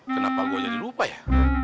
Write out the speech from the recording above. kenapa gue jadi lupa ya